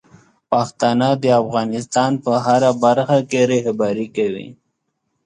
پښتانه د افغانستان په هره برخه کې رهبري کوي.